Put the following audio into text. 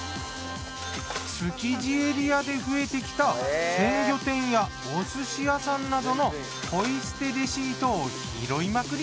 築地エリアで増えてきた鮮魚店やお寿司屋さんなどのポイ捨てレシートを拾いまくり。